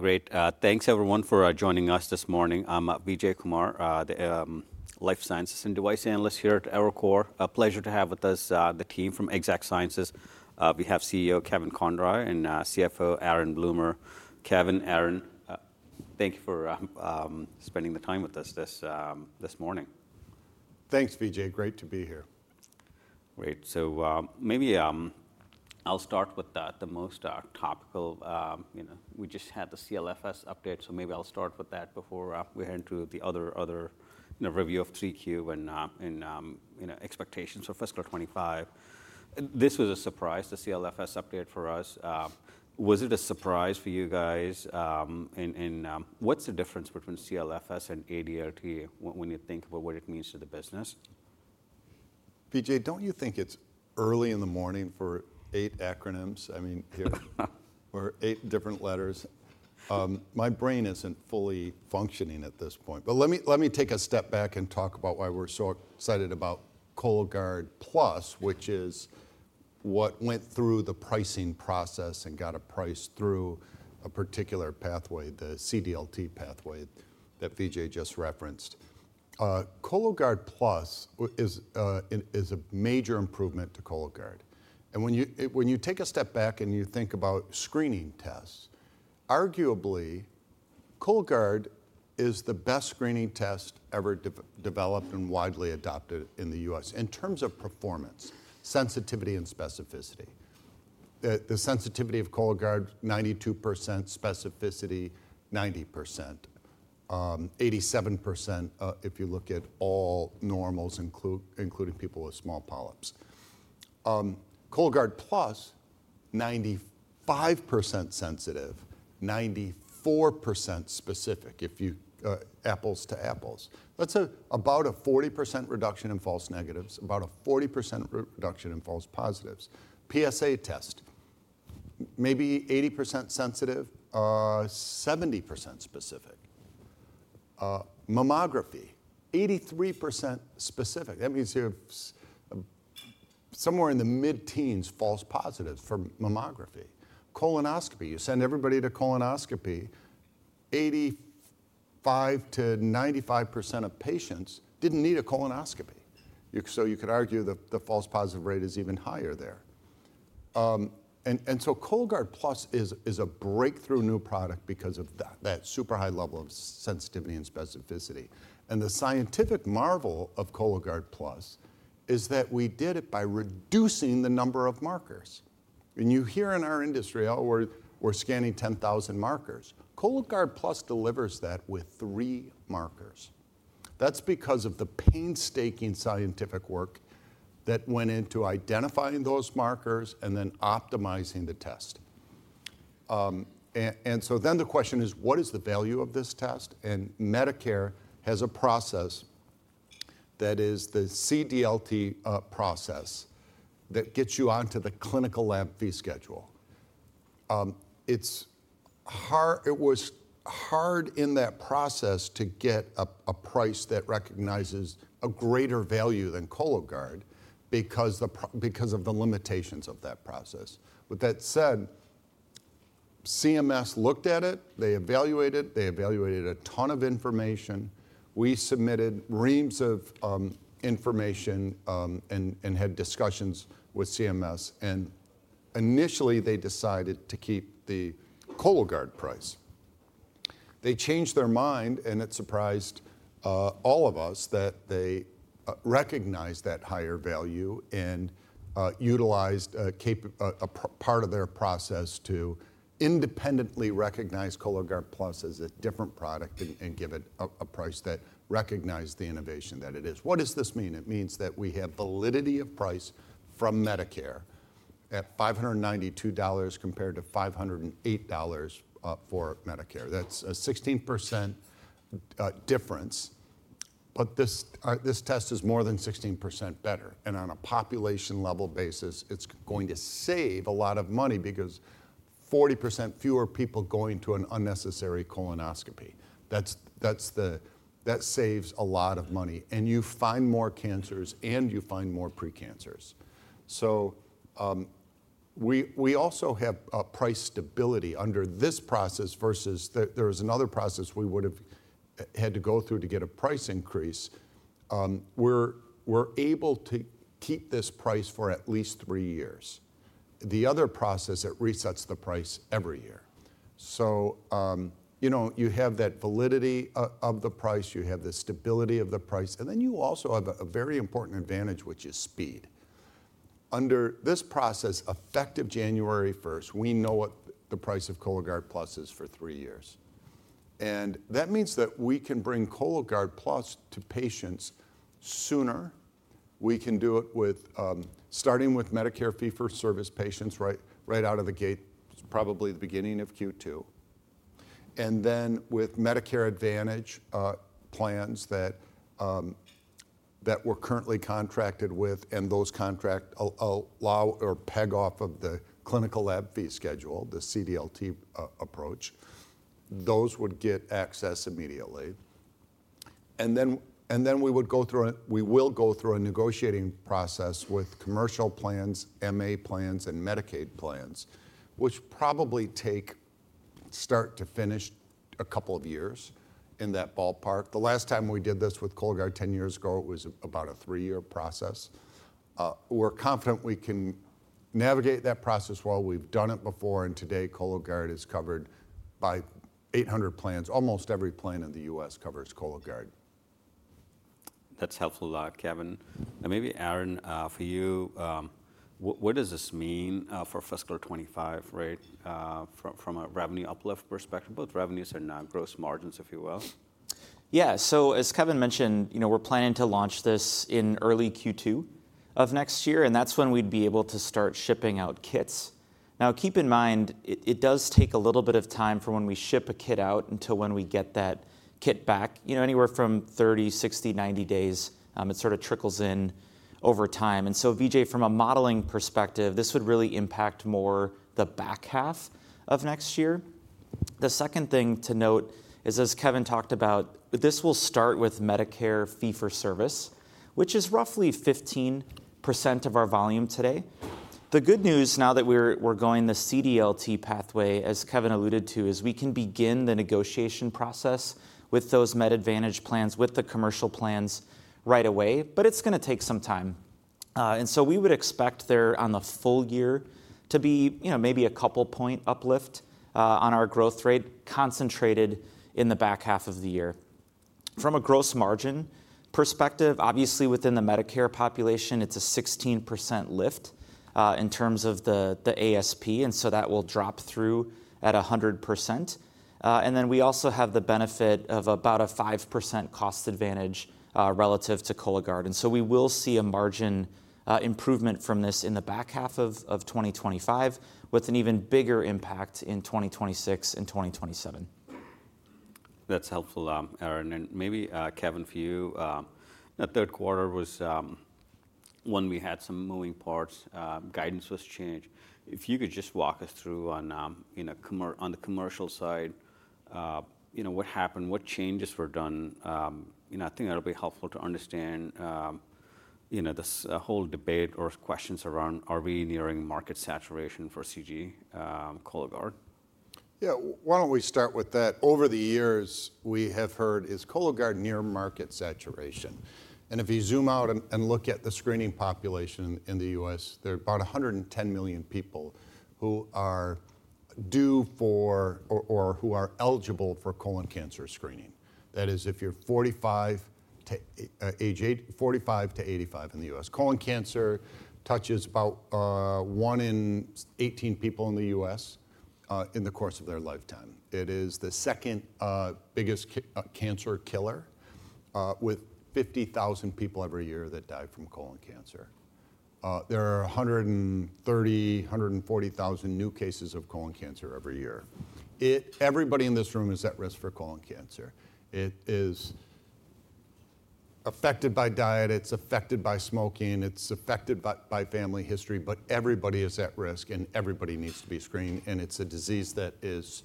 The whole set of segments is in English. Great. Thanks, everyone, for joining us this morning. I'm Vijay Kumar, the Life Sciences and Device Analyst here at Evercore. A pleasure to have with us the team from Exact Sciences. We have CEO Kevin Conroy and CFO Aaron Bloomer. Kevin, Aaron, thank you for spending the time with us this morning. Thanks, Vijay. Great to be here. Great. So maybe I'll start with the most topical. We just had the CLFS update, so maybe I'll start with that before we head into the other review of 3Q and expectations for fiscal 2025. This was a surprise, the CLFS update for us. Was it a surprise for you guys? What's the difference between CLFS and ADLT when you think about what it means to the business? Vijay, don't you think it's early in the morning for eight acronyms? I mean, or eight different letters? My brain isn't fully functioning at this point, but let me take a step back and talk about why we're so excited about Cologuard Plus, which is what went through the pricing process and got a price through a particular pathway, the CDLT pathway that Vijay just referenced. Cologuard Plus is a major improvement to Cologuard, and when you take a step back and you think about screening tests, arguably Cologuard is the best screening test ever developed and widely adopted in the U.S. in terms of performance, sensitivity, and specificity. The sensitivity of Cologuard, 92%; specificity, 90%; 87% if you look at all normals, including people with small polyps. Cologuard Plus, 95% sensitive, 94% specific, if you apples to apples. That's about a 40% reduction in false negatives, about a 40% reduction in false positives. PSA test, maybe 80% sensitive, 70% specific. Mammography, 83% specific. That means you have somewhere in the mid-teens false positives for mammography. Colonoscopy, you send everybody to colonoscopy, 85%-95% of patients didn't need a colonoscopy. So you could argue that the false positive rate is even higher there. And so Cologuard Plus is a breakthrough new product because of that super high level of sensitivity and specificity. And the scientific marvel of Cologuard Plus is that we did it by reducing the number of markers. And you hear in our industry, oh, we're scanning 10,000 markers. Cologuard Plus delivers that with three markers. That's because of the painstaking scientific work that went into identifying those markers and then optimizing the test. And so then the question is, what is the value of this test? And Medicare has a process that is the CDLT process that gets you onto the clinical lab fee schedule. It was hard in that process to get a price that recognizes a greater value than Cologuard because of the limitations of that process. With that said, CMS looked at it. They evaluated it. They evaluated a ton of information. We submitted reams of information and had discussions with CMS. And initially, they decided to keep the Cologuard price. They changed their mind, and it surprised all of us that they recognized that higher value and utilized a part of their process to independently recognize Cologuard Plus as a different product and give it a price that recognized the innovation that it is. What does this mean? It means that we have validity of price from Medicare at $592 compared to $508 for Medicare. That's a 16% difference. But this test is more than 16% better. And on a population-level basis, it's going to save a lot of money because 40% fewer people going to an unnecessary colonoscopy. That saves a lot of money. And you find more cancers, and you find more precancers. So we also have price stability under this process versus there is another process we would have had to go through to get a price increase. We're able to keep this price for at least three years. The other process, it resets the price every year. So you have that validity of the price. You have the stability of the price. And then you also have a very important advantage, which is speed. Under this process, effective January 1st, we know what the price of Cologuard Plus is for three years. And that means that we can bring Cologuard Plus to patients sooner. We can do it starting with Medicare fee-for-service patients right out of the gate, probably the beginning of Q2. And then with Medicare Advantage plans that we're currently contracted with and those contract or peg off of the clinical lab fee schedule, the CDLT approach, those would get access immediately. And then we will go through a negotiating process with commercial plans, MA plans, and Medicaid plans, which probably take start to finish a couple of years in that ballpark. The last time we did this with Cologuard 10 years ago, it was about a three-year process. We're confident we can navigate that process well. We've done it before. And today, Cologuard is covered by 800 plans. Almost every plan in the U.S. covers Cologuard. That's helpful a lot, Kevin, and maybe, Aaron, for you, what does this mean for fiscal 2025, right, from a revenue uplift perspective? Both revenues and now gross margins, if you will. Yeah. So as Kevin mentioned, we're planning to launch this in early Q2 of next year. And that's when we'd be able to start shipping out kits. Now, keep in mind, it does take a little bit of time from when we ship a kit out until when we get that kit back, anywhere from 30, 60, 90 days. It sort of trickles in over time. And so, Vijay, from a modeling perspective, this would really impact more the back half of next year. The second thing to note is, as Kevin talked about, this will start with Medicare fee-for-service, which is roughly 15% of our volume today. The good news now that we're going the CDLT pathway, as Kevin alluded to, is we can begin the negotiation process with those Medicare Advantage plans, with the commercial plans right away. But it's going to take some time. And so we would expect there on the full year to be maybe a couple-point uplift on our growth rate concentrated in the back half of the year. From a gross margin perspective, obviously, within the Medicare population, it's a 16% lift in terms of the ASP. And so that will drop through at 100%. And then we also have the benefit of about a 5% cost advantage relative to Cologuard. And so we will see a margin improvement from this in the back half of 2025, with an even bigger impact in 2026 and 2027. That's helpful, Aaron. And maybe, Kevin, for you, the third quarter was when we had some moving parts. Guidance was changed. If you could just walk us through on the commercial side, what happened, what changes were done. I think that'll be helpful to understand this whole debate or questions around, are we nearing market saturation for Cologuard? Yeah. Why don't we start with that? Over the years, we have heard is Cologuard near market saturation. And if you zoom out and look at the screening population in the U.S., there are about 110 million people who are due for or who are eligible for colon cancer screening. That is, if you're age 45-85 in the U.S., colon cancer touches about one in 18 people in the U.S. in the course of their lifetime. It is the second biggest cancer killer, with 50,000 people every year that die from colon cancer. There are 130,000-140,000 new cases of colon cancer every year. Everybody in this room is at risk for colon cancer. It is affected by diet. It's affected by smoking. It's affected by family history. But everybody is at risk, and everybody needs to be screened. It's a disease that is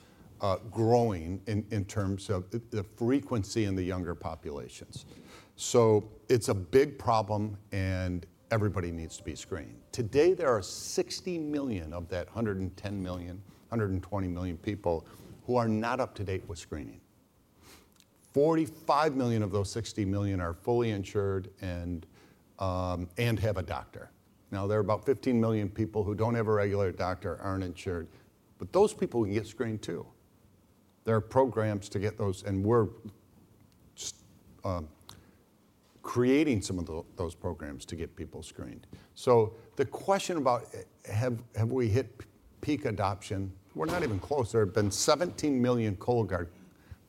growing in terms of the frequency in the younger populations. So it's a big problem, and everybody needs to be screened. Today, there are 60 million of that 110 million, 120 million people who are not up to date with screening. 45 million of those 60 million are fully insured and have a doctor. Now, there are about 15 million people who don't have a regular doctor, aren't insured. But those people can get screened too. There are programs to get those. And we're creating some of those programs to get people screened. So the question about, have we hit peak adoption? We're not even close. There have been 17 million Cologuard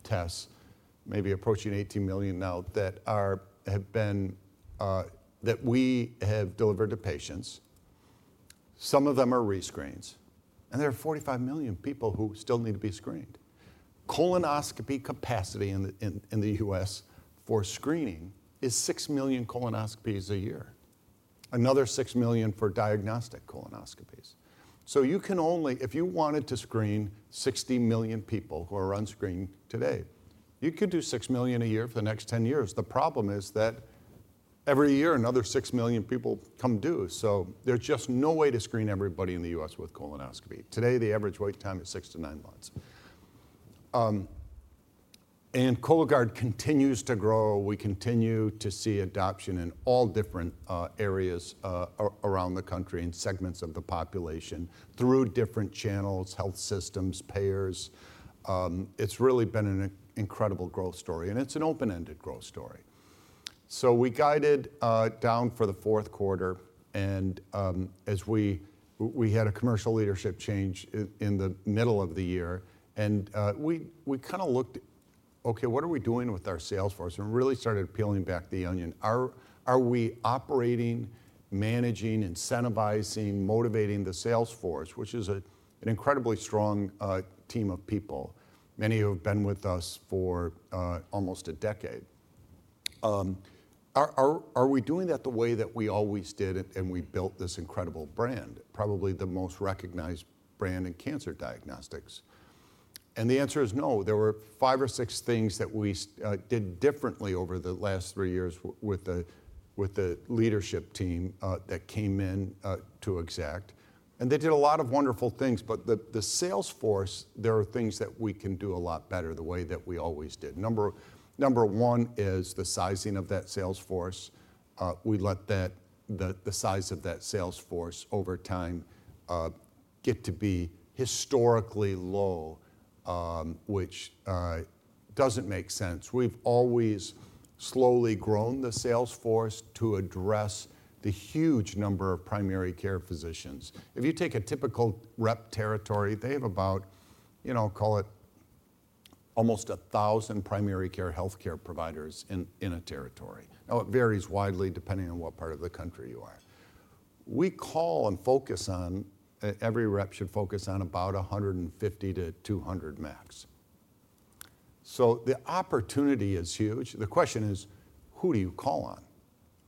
tests, maybe approaching 18 million now, that we have delivered to patients. Some of them are rescreens. And there are 45 million people who still need to be screened. Colonoscopy capacity in the U.S. for screening is 6 million colonoscopies a year, another 6 million for diagnostic colonoscopies. So you can only, if you wanted to screen 60 million people who are unscreened today, you could do 6 million a year for the next 10 years. The problem is that every year, another 6 million people come due. So there's just no way to screen everybody in the U.S. with colonoscopy. Today, the average wait time is 6-9 months. And Cologuard continues to grow. We continue to see adoption in all different areas around the country and segments of the population through different channels, health systems, payers. It's really been an incredible growth story. And it's an open-ended growth story. So we guided down for the fourth quarter. And we had a commercial leadership change in the middle of the year. We kind of looked. OK, what are we doing with our sales force? We really started peeling back the onion. Are we operating, managing, incentivizing, motivating the sales force, which is an incredibly strong team of people, many who have been with us for almost a decade? Are we doing that the way that we always did and we built this incredible brand, probably the most recognized brand in cancer diagnostics? The answer is no. There were five or six things that we did differently over the last three years with the leadership team that came in to Exact. They did a lot of wonderful things, but the sales force, there are things that we can do a lot better the way that we always did. Number one is the sizing of that sales force. We let the size of that salesforce over time get to be historically low, which doesn't make sense. We've always slowly grown the salesforce to address the huge number of primary care physicians. If you take a typical rep territory, they have about, I'll call it, almost 1,000 primary care health care providers in a territory. Now, it varies widely depending on what part of the country you are. We call and focus on, every rep should focus on about 150-200 max. So the opportunity is huge. The question is, who do you call on?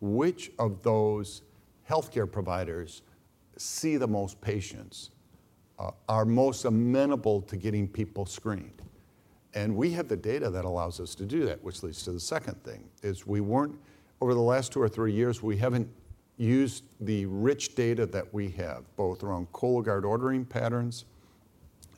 Which of those health care providers see the most patients, are most amenable to getting people screened? And we have the data that allows us to do that, which leads to the second thing. Over the last two or three years, we haven't used the rich data that we have, both around Cologuard ordering patterns,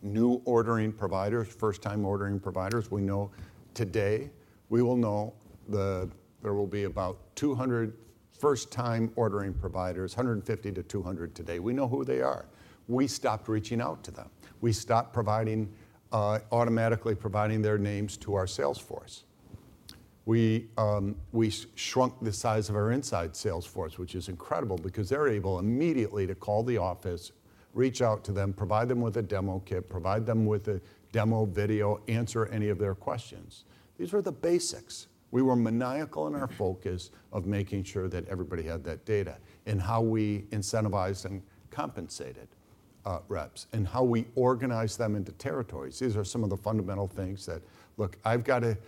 new ordering providers, first-time ordering providers. We know today, we will know there will be about 200 first-time ordering providers, 150-200 today. We know who they are. We stopped reaching out to them. We stopped automatically providing their names to our salesforce. We shrunk the size of our inside salesforce, which is incredible because they're able immediately to call the office, reach out to them, provide them with a demo kit, provide them with a demo video, answer any of their questions. These were the basics. We were maniacal in our focus of making sure that everybody had that data and how we incentivized and compensated reps and how we organized them into territories. These are some of the fundamental things that, look, I've got to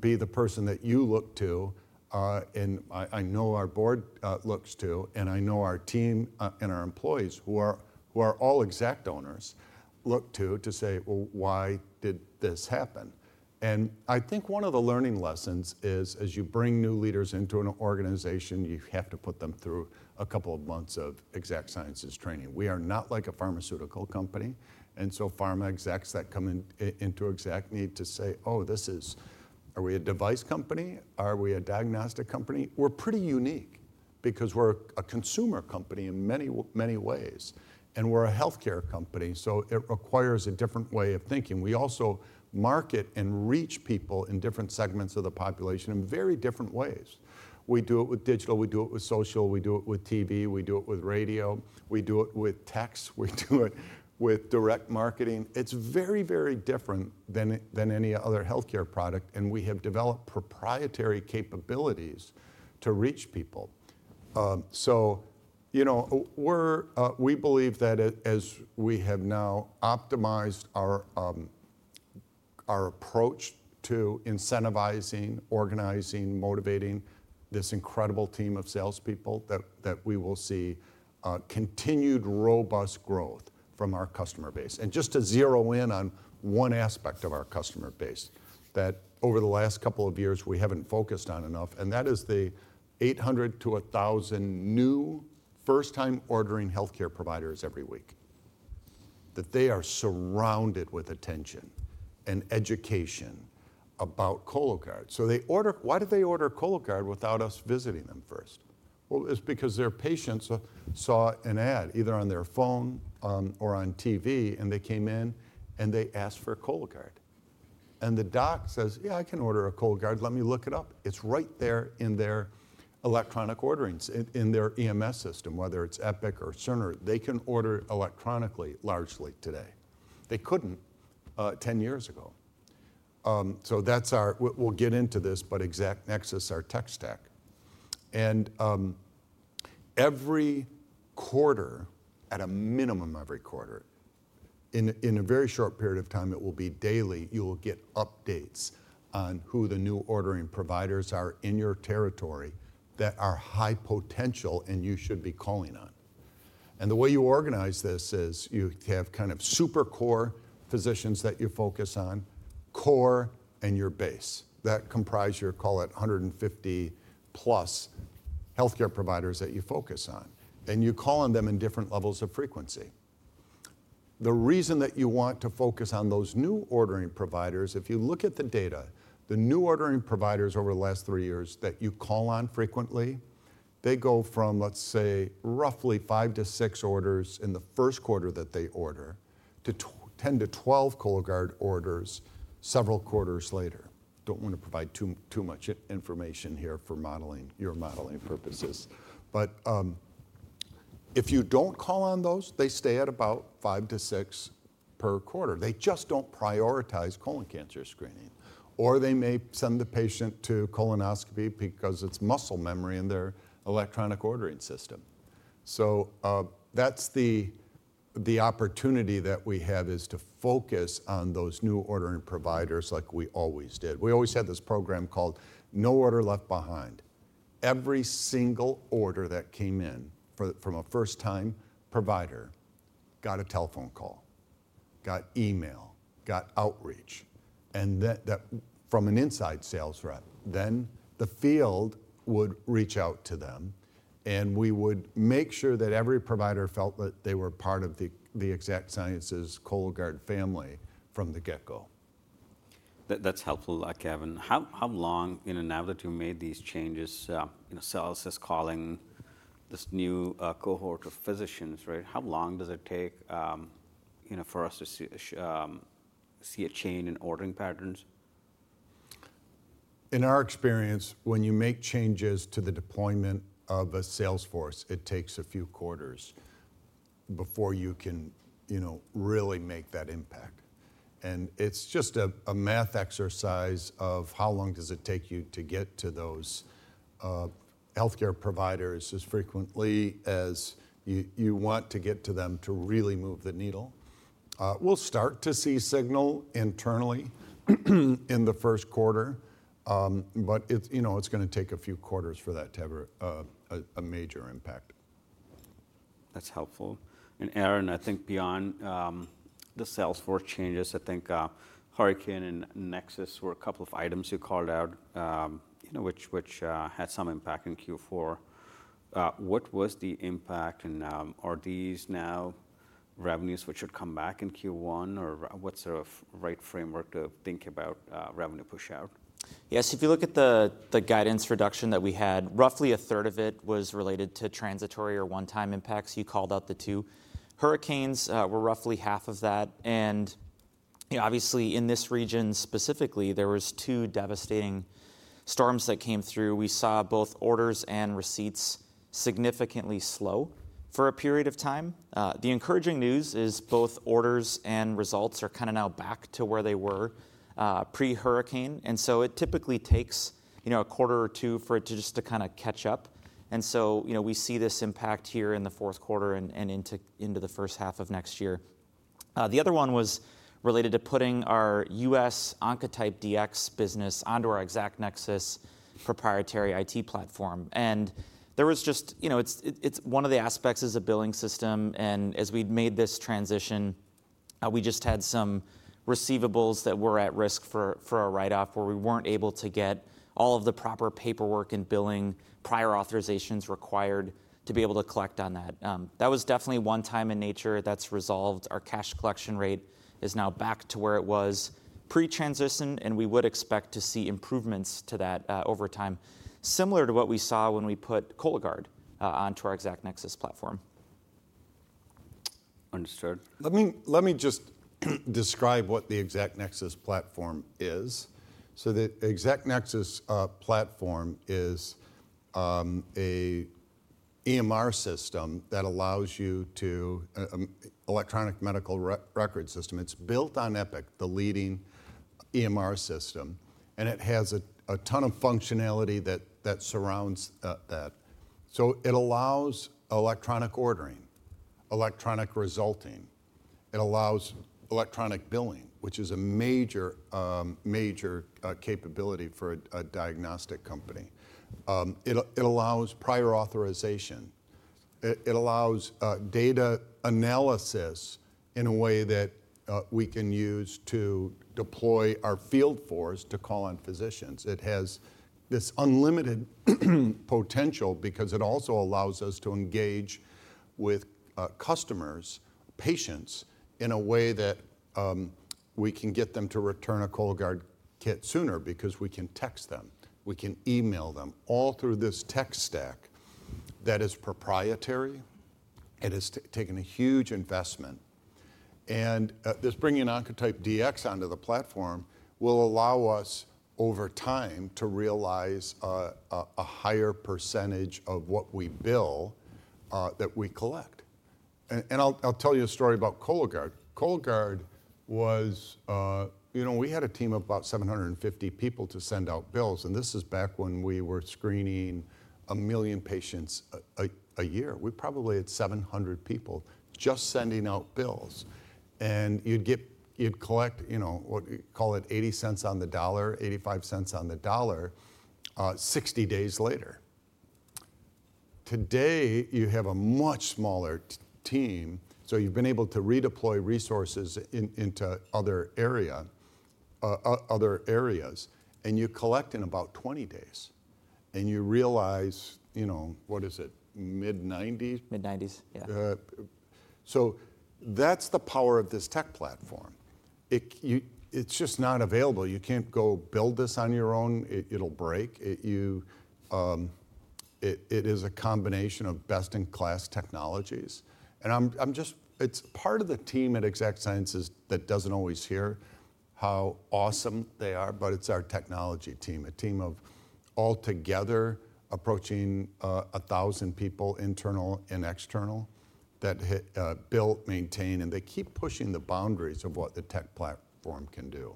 be the person that you look to. And I know our board looks to. And I know our team and our employees who are all Exact owners look to to say, well, why did this happen? And I think one of the learning lessons is, as you bring new leaders into an organization, you have to put them through a couple of months of Exact Sciences training. We are not like a pharmaceutical company. And so pharma execs that come into Exact need to say, oh, this is, are we a device company? Are we a diagnostic company? We're pretty unique because we're a consumer company in many, many ways. And we're a health care company. So it requires a different way of thinking. We also market and reach people in different segments of the population in very different ways. We do it with digital. We do it with social. We do it with TV. We do it with radio. We do it with text. We do it with direct marketing. It's very, very different than any other health care product, and we have developed proprietary capabilities to reach people. So we believe that as we have now optimized our approach to incentivizing, organizing, motivating this incredible team of salespeople, that we will see continued robust growth from our customer base, and just to zero in on one aspect of our customer base that over the last couple of years we haven't focused on enough, and that is the 800-1,000 new first-time ordering health care providers every week, that they are surrounded with attention and education about Cologuard. So why did they order Cologuard without us visiting them first? Well, it's because their patients saw an ad either on their phone or on TV, and they came in, and they asked for Cologuard. And the doc says, yeah, I can order a Cologuard. Let me look it up. It's right there in their electronic ordering in their EMR system, whether it's Epic or Cerner. They can order electronically largely today. They couldn't 10 years ago. So we'll get into this, but ExactNexus, our tech stack. And every quarter, at a minimum every quarter, in a very short period of time, it will be daily, you will get updates on who the new ordering providers are in your territory that are high potential and you should be calling on. The way you organize this is you have kind of super core physicians that you focus on, core and your base that comprise your, call it, 150-plus health care providers that you focus on. You call on them in different levels of frequency. The reason that you want to focus on those new ordering providers, if you look at the data, the new ordering providers over the last three years that you call on frequently, they go from, let's say, roughly five to six orders in the first quarter that they order to 10-12 Cologuard orders several quarters later. Don't want to provide too much information here for your modeling purposes. If you don't call on those, they stay at about five to six per quarter. They just don't prioritize colon cancer screening. Or they may send the patient to colonoscopy because it's muscle memory in their electronic ordering system. So that's the opportunity that we have is to focus on those new ordering providers like we always did. We always had this program called No Order Left Behind. Every single order that came in from a first-time provider got a telephone call, got email, got outreach from an inside sales rep. Then the field would reach out to them. And we would make sure that every provider felt that they were part of the Exact Sciences Cologuard family from the get-go. That's helpful, Kevin. How long, now that you've made these changes, sales is calling this new cohort of physicians, right? How long does it take for us to see a change in ordering patterns? In our experience, when you make changes to the deployment of a salesforce, it takes a few quarters before you can really make that impact, and it's just a math exercise of how long does it take you to get to those health care providers as frequently as you want to get to them to really move the needle. We'll start to see signal internally in the first quarter, but it's going to take a few quarters for that to have a major impact. That's helpful, and Aaron, I think beyond the sales force changes, I think Hurricane and Nexus were a couple of items you called out which had some impact in Q4. What was the impact, and are these now revenues which should come back in Q1 or what's the right framework to think about revenue push out? Yes. If you look at the guidance reduction that we had, roughly a third of it was related to transitory or one-time impacts. You called out the two. Hurricanes were roughly half of that. And obviously, in this region specifically, there were two devastating storms that came through. We saw both orders and receipts significantly slow for a period of time. The encouraging news is both orders and results are kind of now back to where they were pre-hurricane. And so it typically takes a quarter or two for it just to kind of catch up. And so we see this impact here in the fourth quarter and into the first half of next year. The other one was related to putting our U.S. Oncotype DX business onto our ExactNexus proprietary IT platform. And there was just one of the aspects is a billing system. And as we made this transition, we just had some receivables that were at risk for a write-off where we weren't able to get all of the proper paperwork and billing prior authorizations required to be able to collect on that. That was definitely one-time in nature that's resolved. Our cash collection rate is now back to where it was pre-transition. And we would expect to see improvements to that over time, similar to what we saw when we put Cologuard onto our ExactNexus platform. Understood. Let me just describe what the ExactNexus platform is, so the ExactNexus platform is an EMR system. It's built on Epic, the leading EMR system, and it has a ton of functionality that surrounds that, so it allows electronic ordering, electronic resulting. It allows electronic billing, which is a major capability for a diagnostic company. It allows prior authorization. It allows data analysis in a way that we can use to deploy our field force to call on physicians. It has this unlimited potential because it also allows us to engage with customers, patients in a way that we can get them to return a Cologuard kit sooner because we can text them. We can email them all through this tech stack that is proprietary. It has taken a huge investment. This bringing Oncotype DX onto the platform will allow us over time to realize a higher percentage of what we bill that we collect. I'll tell you a story about Cologuard. Cologuard was, we had a team of about 750 people to send out bills. This is back when we were screening a million patients a year. We probably had 700 people just sending out bills. You'd collect, what we call it, $0.80 on the dollar, $0.85 on the dollar 60 days later. Today, you have a much smaller team. You've been able to redeploy resources into other areas. You collect in about 20 days. You realize, what is it, mid-90s? Mid-90s, yeah. That's the power of this tech platform. It's just not available. You can't go build this on your own. It'll break. It is a combination of best-in-class technologies. It's part of the team at Exact Sciences that doesn't always hear how awesome they are. It's our technology team, a team of altogether approaching 1,000 people internal and external that build, maintain. They keep pushing the boundaries of what the tech platform can do.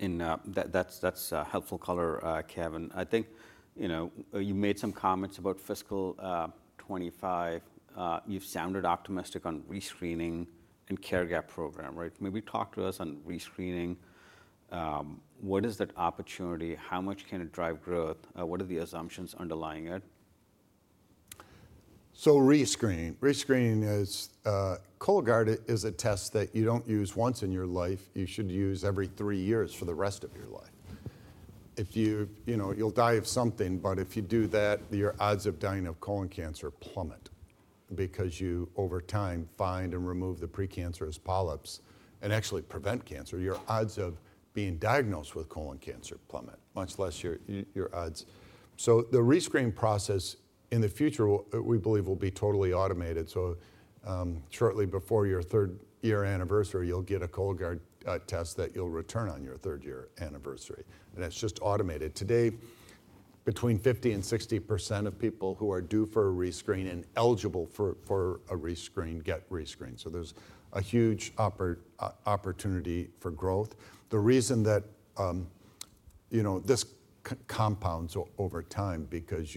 And that's helpful color, Kevin. I think you made some comments about fiscal 2025. You've sounded optimistic on rescreening and care gap program, right? Maybe talk to us on rescreening. What is that opportunity? How much can it drive growth? What are the assumptions underlying it? So, rescreening. Cologuard is a test that you don't use once in your life. You should use every three years for the rest of your life. You'll die of something. But if you do that, your odds of dying of colon cancer plummet because you, over time, find and remove the precancerous polyps and actually prevent cancer. Your odds of being diagnosed with colon cancer plummet, much less your odds. So the rescreening process in the future, we believe, will be totally automated. So shortly before your third-year anniversary, you'll get a Cologuard test that you'll return on your third-year anniversary. And it's just automated. Today, between 50% and 60% of people who are due for a rescreening and eligible for a rescreening get rescreened. So there's a huge opportunity for growth. The reason that this compounds over time because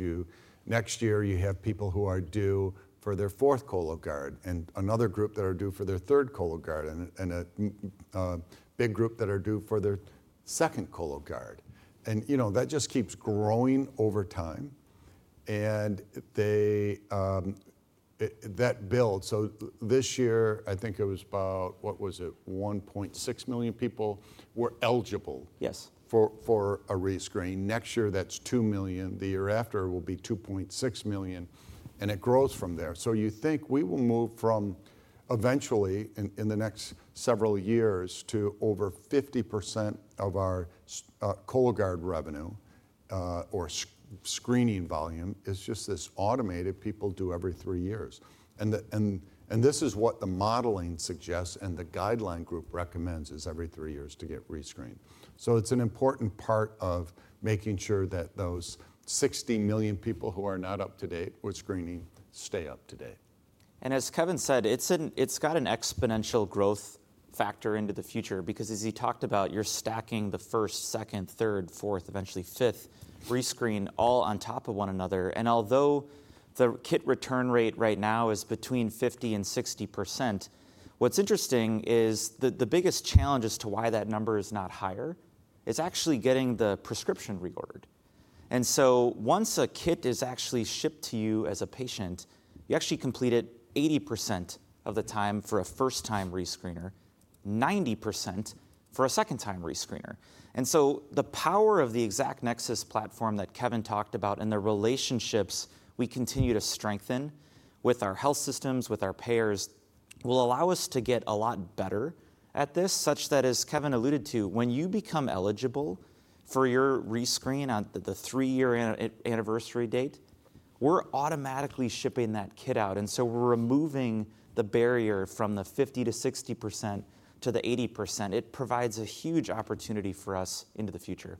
next year you have people who are due for their fourth Cologuard and another group that are due for their third Cologuard and a big group that are due for their second Cologuard. And that just keeps growing over time. And that builds. So this year, I think it was about, what was it, 1.6 million people were eligible for a rescreening. Next year, that's 2 million. The year after will be 2.6 million. And it grows from there. So you think we will move from eventually, in the next several years, to over 50% of our Cologuard revenue or screening volume is just this automated people do every three years. And this is what the modeling suggests and the guideline group recommends is every three years to get rescreened. So it's an important part of making sure that those 60 million people who are not up to date with screening stay up to date. And as Kevin said, it's got an exponential growth factor into the future because, as he talked about, you're stacking the first, second, third, fourth, eventually fifth rescreening all on top of one another. And although the kit return rate right now is between 50% and 60%, what's interesting is the biggest challenge as to why that number is not higher is actually getting the prescription reordered. And so once a kit is actually shipped to you as a patient, you actually complete it 80% of the time for a first-time rescreener, 90% for a second-time rescreener. The power of the ExactNexus platform that Kevin talked about and the relationships we continue to strengthen with our health systems, with our payers, will allow us to get a lot better at this, such that, as Kevin alluded to, when you become eligible for your rescreening on the three-year anniversary date, we're automatically shipping that kit out. We're removing the barrier from the 50% to 60% to the 80%. It provides a huge opportunity for us into the future.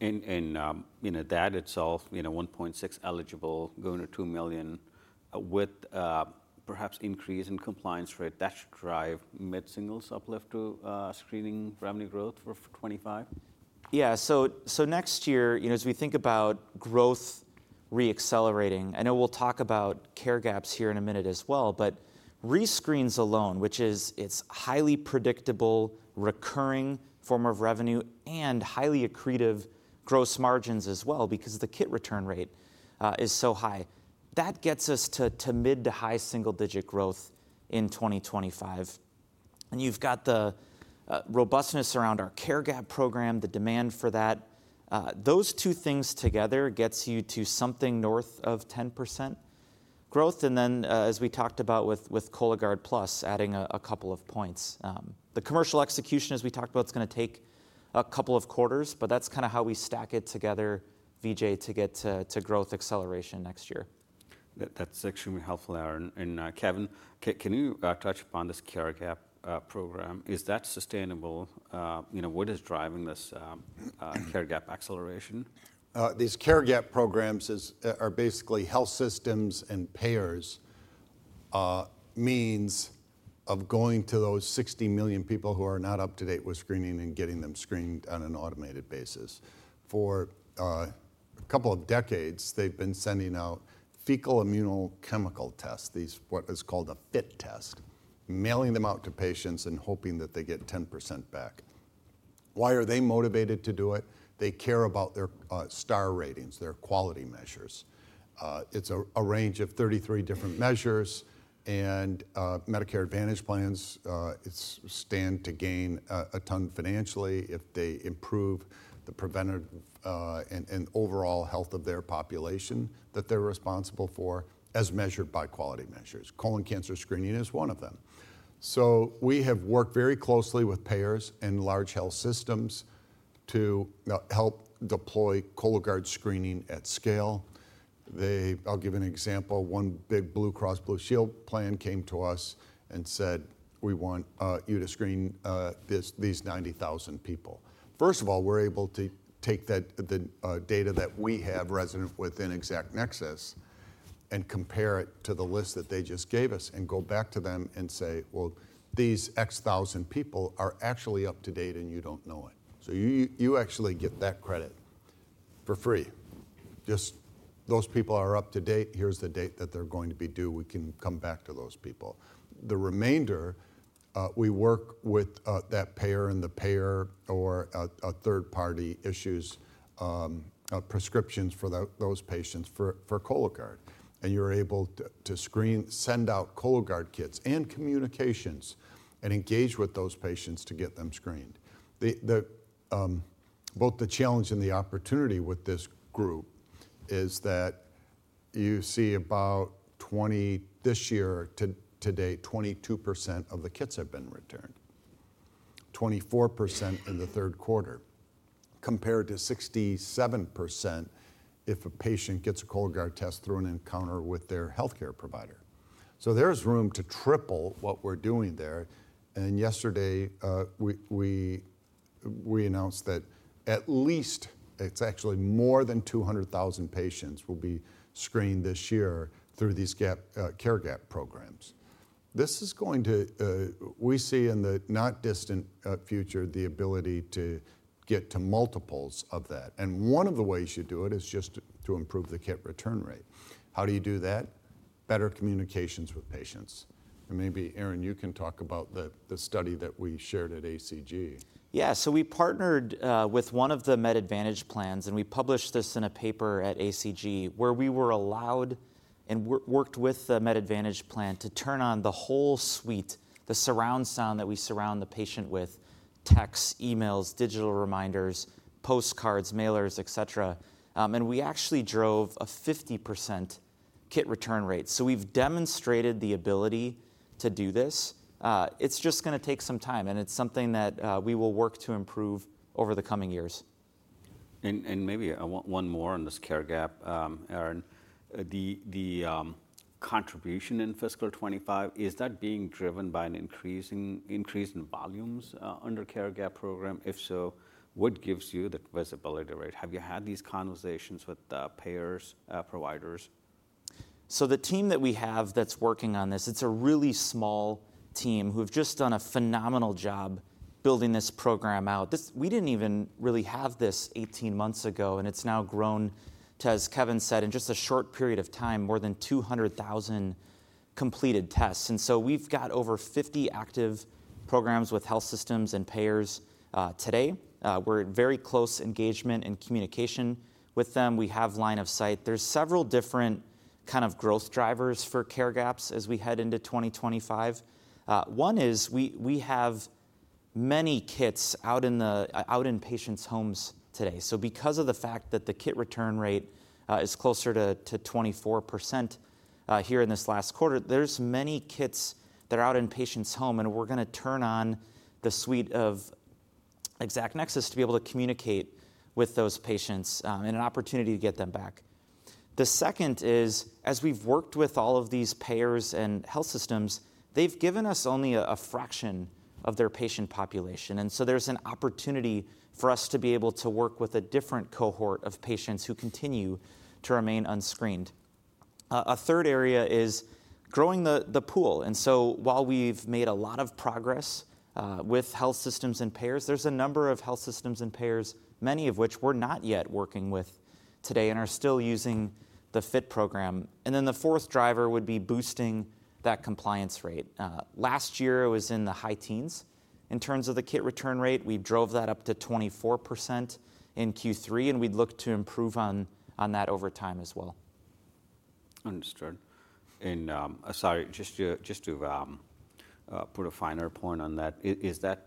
That itself, 1.6 eligible going to 2 million with perhaps increase in compliance rate, that should drive mid-singles uplift to screening revenue growth for 2025? Yeah. So next year, as we think about growth re-accelerating, I know we'll talk about care gap here in a minute as well. But rescreens alone, which is its highly predictable, recurring form of revenue and highly accretive gross margins as well because the kit return rate is so high, that gets us to mid to high single-digit growth in 2025. And you've got the robustness around our care gap program, the demand for that. Those two things together get you to something north of 10% growth. And then, as we talked about with Cologuard Plus, adding a couple of points. The commercial execution, as we talked about, it's going to take a couple of quarters. But that's kind of how we stack it together, Vijay, to get to growth acceleration next year. That's extremely helpful, Aaron. And Kevin, can you touch upon this care gap program? Is that sustainable? What is driving this care gap acceleration? These care gap programs are basically health systems and payers' means of going to those 60 million people who are not up to date with screening and getting them screened on an automated basis. For a couple of decades, they've been sending out fecal immunochemical tests, what is called a FIT test, mailing them out to patients and hoping that they get 10% back. Why are they motivated to do it? They care about their star ratings, their quality measures. It's a range of 33 different measures, and Medicare Advantage plans stand to gain a ton financially if they improve the preventative and overall health of their population that they're responsible for as measured by quality measures. Colon cancer screening is one of them, so we have worked very closely with payers and large health systems to help deploy Cologuard screening at scale. I'll give an example. One big Blue Cross Blue Shield plan came to us and said, we want you to screen these 90,000 people. First of all, we're able to take the data that we have resident within ExactNexus and compare it to the list that they just gave us and go back to them and say, well, these X thousand people are actually up to date and you don't know it. So you actually get that credit for free. Just those people are up to date. Here's the date that they're going to be due. We can come back to those people. The remainder, we work with that payer and the payer or third-party issues prescriptions for those patients for Cologuard. And you're able to send out Cologuard kits and communications and engage with those patients to get them screened. Both the challenge and the opportunity with this group is that you see about 20% this year to date, 22% of the kits have been returned, 24% in the third quarter compared to 67% if a patient gets a Cologuard test through an encounter with their health care provider. So there is room to triple what we're doing there. And yesterday, we announced that at least it's actually more than 200,000 patients will be screened this year through these care gap programs. This is going to, we see in the not distant future, the ability to get to multiples of that. And one of the ways you do it is just to improve the kit return rate. How do you do that? Better communications with patients. And maybe, Aaron, you can talk about the study that we shared at ACG. Yeah. So we partnered with one of the Medicare Advantage plans. And we published this in a paper at ACG where we were allowed and worked with the Medicare Advantage plan to turn on the whole suite, the surround sound that we surround the patient with, texts, emails, digital reminders, postcards, mailers, et cetera. And we actually drove a 50% kit return rate. So we've demonstrated the ability to do this. It's just going to take some time. And it's something that we will work to improve over the coming years. Maybe one more on this care gap, Aaron. The contribution in fiscal 2025, is that being driven by an increase in volumes under care gap program? If so, what gives you that visibility rate? Have you had these conversations with payers, providers? So the team that we have that's working on this, it's a really small team who have just done a phenomenal job building this program out. We didn't even really have this 18 months ago. And it's now grown to, as Kevin said, in just a short period of time, more than 200,000 completed tests. And so we've got over 50 active programs with health systems and payers today. We're in very close engagement and communication with them. We have line of sight. There's several different kind of growth drivers for care gaps as we head into 2025. One is we have many kits out in patients' homes today. So because of the fact that the kit return rate is closer to 24% here in this last quarter, there's many kits that are out in patients' home. And we're going to turn on the suite of ExactNexus to be able to communicate with those patients and an opportunity to get them back. The second is, as we've worked with all of these payers and health systems, they've given us only a fraction of their patient population. And so there's an opportunity for us to be able to work with a different cohort of patients who continue to remain unscreened. A third area is growing the pool. And so while we've made a lot of progress with health systems and payers, there's a number of health systems and payers, many of which we're not yet working with today and are still using the FIT program. And then the fourth driver would be boosting that compliance rate. Last year, it was in the high teens. In terms of the kit return rate, we drove that up to 24% in Q3, and we'd look to improve on that over time as well. Understood. And sorry, just to put a finer point on that, is that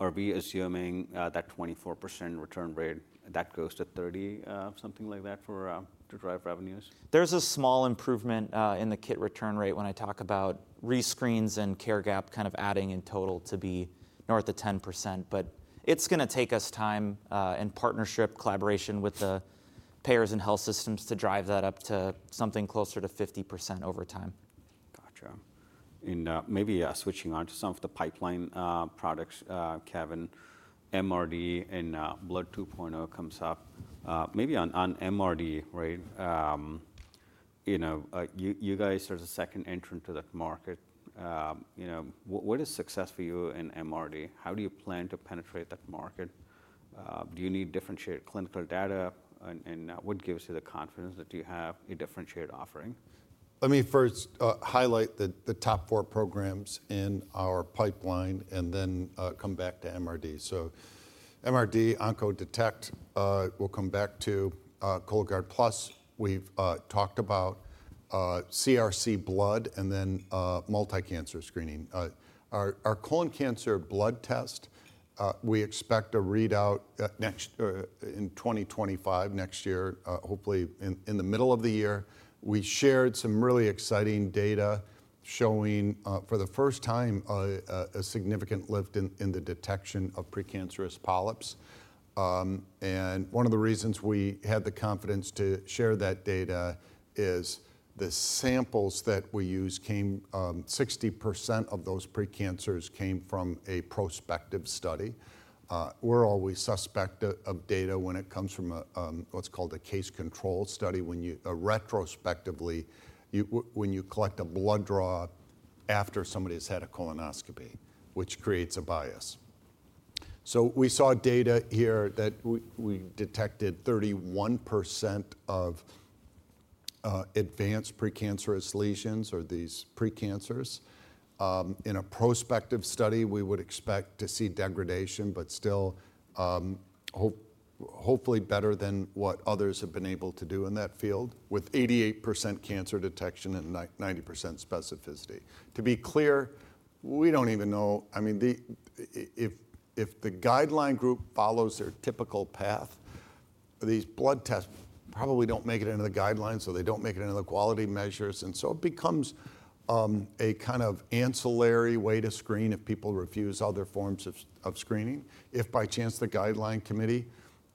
are we assuming that 24% return rate, that goes to 30, something like that, to drive revenues? There's a small improvement in the kit return rate when I talk about rescreens and care gap kind of adding in total to be north of 10%. But it's going to take us time and partnership, collaboration with the payers and health systems to drive that up to something closer to 50% over time. Gotcha. And maybe switching on to some of the pipeline products, Kevin, MRD and Blood 2.0 comes up. Maybe on MRD, right? You guys are the second entrant to that market. What is success for you in MRD? How do you plan to penetrate that market? Do you need differentiated clinical data? And what gives you the confidence that you have a differentiated offering? Let me first highlight the top four programs in our pipeline and then come back to MRD, so MRD, Oncodetect, we'll come back to Cologuard Plus. We've talked about CRC Blood and then multicancer screening. Our colon cancer blood test, we expect a readout in 2025, next year, hopefully in the middle of the year. We shared some really exciting data showing, for the first time, a significant lift in the detection of precancerous polyps, and one of the reasons we had the confidence to share that data is the samples that we used came, 60% of those precancers came from a prospective study. We're always suspect of data when it comes from what's called a case control study, when you retrospectively, when you collect a blood draw after somebody has had a colonoscopy, which creates a bias. So we saw data here that we detected 31% of advanced precancerous lesions or these precancers. In a prospective study, we would expect to see degradation, but still hopefully better than what others have been able to do in that field with 88% cancer detection and 90% specificity. To be clear, we don't even know. I mean, if the guideline group follows their typical path, these blood tests probably don't make it into the guidelines. So they don't make it into the quality measures. And so it becomes a kind of ancillary way to screen if people refuse other forms of screening. If by chance the guideline committee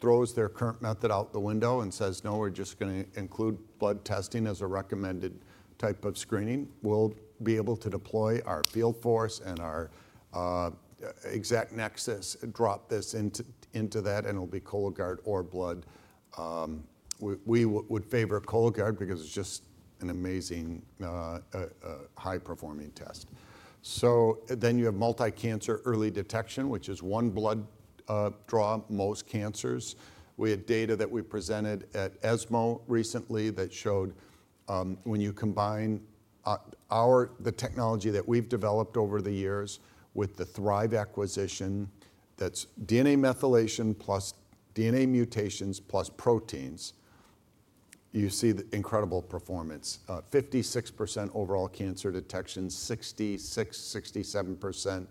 throws their current method out the window and says, no, we're just going to include blood testing as a recommended type of screening, we'll be able to deploy our field force and our ExactNexus drop this into that. It'll be Cologuard or Blood. We would favor Cologuard because it's just an amazing high-performing test. Then you have Multicancer Early Detection, which is one blood draw, most cancers. We had data that we presented at ESMO recently that showed when you combine the technology that we've developed over the years with the Thrive acquisition, that's DNA methylation plus DNA mutations plus proteins, you see the incredible performance: 56% overall cancer detection, 66%, 67%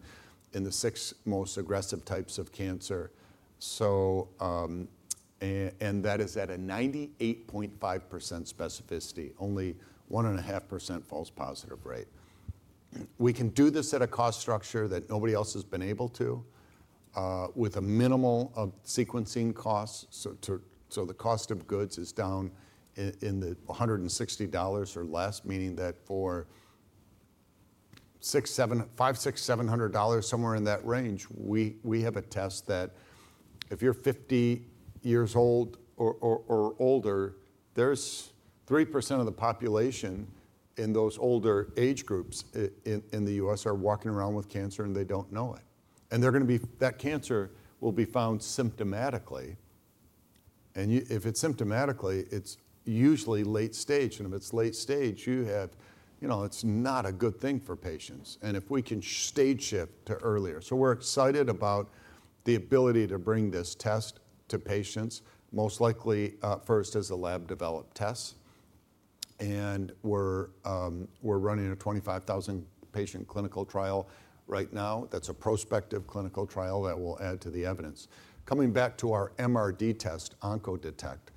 in the six most aggressive types of cancer. That is at a 98.5% specificity, only 1.5% false positive rate. We can do this at a cost structure that nobody else has been able to with a minimal sequencing cost. So the cost of goods is down in the $160 or less, meaning that for $500, $700, somewhere in that range, we have a test that if you're 50 years old or older, there's 3% of the population in those older age groups in the U.S. are walking around with cancer and they don't know it. And that cancer will be found symptomatically. And if it's symptomatically, it's usually late stage. And if it's late stage, you have, it's not a good thing for patients. And if we can stage shift to earlier. So we're excited about the ability to bring this test to patients, most likely first as a lab-developed test. And we're running a 25,000-patient clinical trial right now. That's a prospective clinical trial that we'll add to the evidence. Coming back to our MRD test, Oncodetect,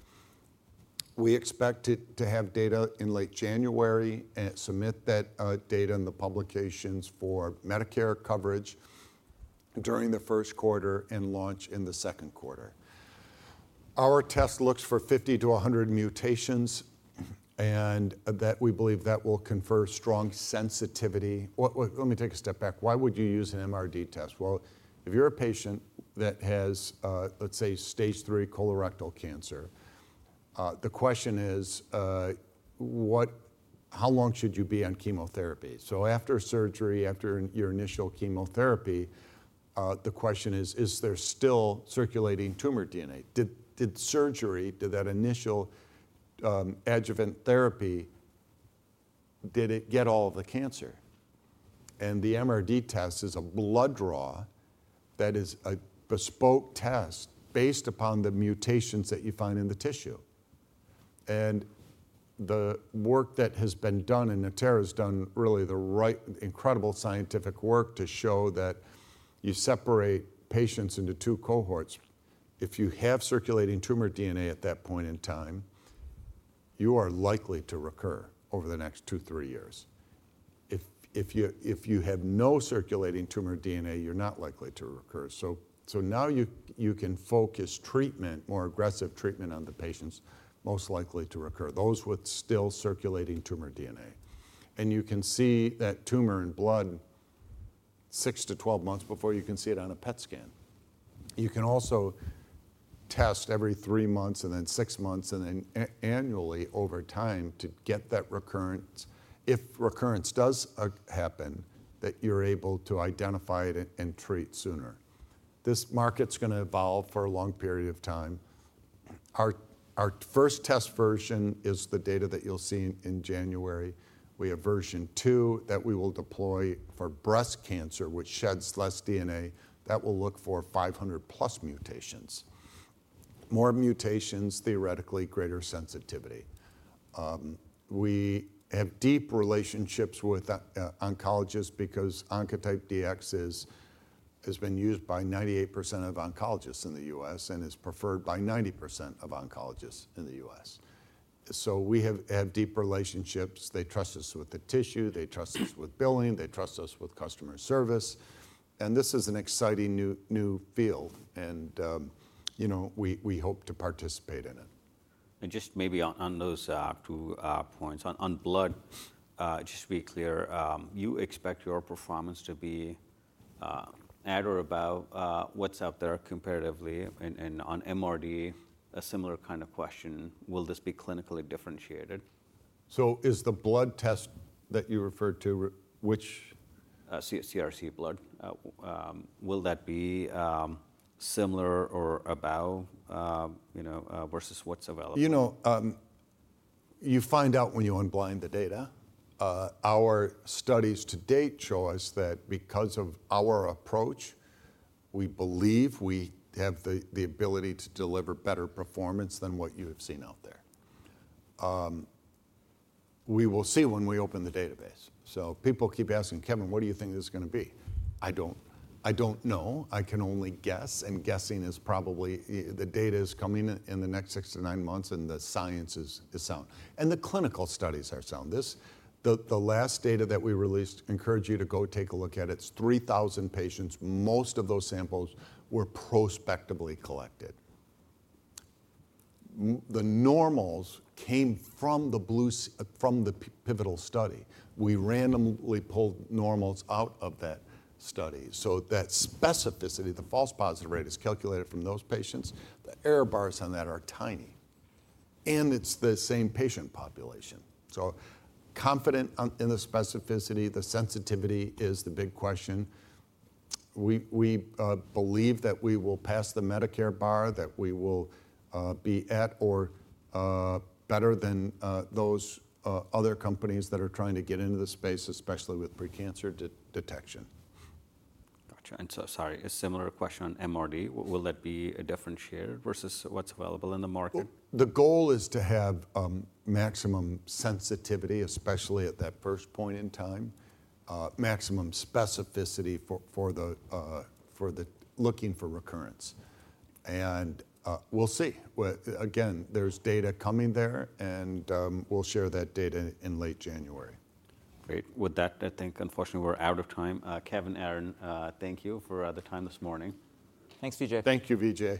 we expect to have data in late January and submit that data in the publications for Medicare coverage during the first quarter and launch in the second quarter. Our test looks for 50-100 mutations, and we believe that will confer strong sensitivity. Let me take a step back. Why would you use an MRD test? Well, if you're a patient that has, let's say, stage III colorectal cancer, the question is, how long should you be on chemotherapy? So after surgery, after your initial chemotherapy, the question is, is there still circulating tumor DNA? Did surgery, did that initial adjuvant therapy, did it get all of the cancer? And the MRD test is a blood draw that is a bespoke test based upon the mutations that you find in the tissue. The work that has been done and Natera has done really the right incredible scientific work to show that you separate patients into two cohorts. If you have circulating tumor DNA at that point in time, you are likely to recur over the next two, three years. If you have no circulating tumor DNA, you're not likely to recur. So now you can focus treatment, more aggressive treatment on the patients most likely to recur, those with still circulating tumor DNA. And you can see that tumor in blood six to 12 months before, you can see it on a PET scan. You can also test every three months and then six months and then annually over time to get that recurrence. If recurrence does happen, that you're able to identify it and treat sooner. This market's going to evolve for a long period of time. Our first test version is the data that you'll see in January. We have version two that we will deploy for breast cancer, which sheds less DNA. That will look for 500-plus mutations. More mutations, theoretically, greater sensitivity. We have deep relationships with oncologists because Oncotype DX has been used by 98% of oncologists in the U.S. and is preferred by 90% of oncologists in the U.S. So we have deep relationships. They trust us with the tissue. They trust us with billing. They trust us with customer service. And this is an exciting new field. And we hope to participate in it. Just maybe on those two points on blood, just to be clear, you expect your performance to be at or about what's out there comparatively. On MRD, a similar kind of question, will this be clinically differentiated? So is the blood test that you referred to, which? CRC Blood. Will that be similar or about versus what's available? You find out when you unblind the data. Our studies to date show us that because of our approach, we believe we have the ability to deliver better performance than what you have seen out there. We will see when we open the database. So people keep asking, Kevin, what do you think this is going to be? I don't know. I can only guess. And guessing is probably the data is coming in the next six to nine months. And the science is sound. And the clinical studies are sound. The last data that we released. Encourage you to go take a look at it. It's 3,000 patients. Most of those samples were prospectively collected. The normals came from the pivotal study. We randomly pulled normals out of that study. So that specificity, the false positive rate is calculated from those patients. The error bars on that are tiny. It's the same patient population. Confident in the specificity, the sensitivity is the big question. We believe that we will pass the Medicare bar, that we will be at or better than those other companies that are trying to get into the space, especially with precancer detection. Gotcha. And so sorry, a similar question on MRD. Will that be differentiated versus what's available in the market? The goal is to have maximum sensitivity, especially at that first point in time, maximum specificity for looking for recurrence. And we'll see. Again, there's data coming there. And we'll share that data in late January. Great. With that, I think, unfortunately, we're out of time. Kevin, Aaron, thank you for the time this morning. Thanks, Vijay. Thank you, Vijay.